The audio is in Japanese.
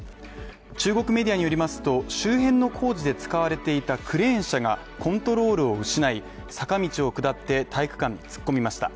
中国メディアによりますと、周辺の工事で使われていたクレーン車がコントロールを失い、坂道を下って体育館に突っ込みました。